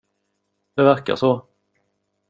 Det verkar så.